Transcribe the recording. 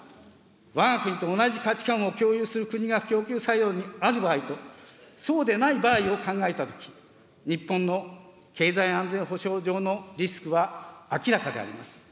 これらがわが国と同じ価値観を共有する国が供給サイドにある場合と、そうでない場合とを考えたときに、日本の経済安全保障上のリスクは明らかであります。